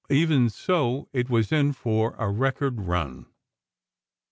Even so, it was in for a record run.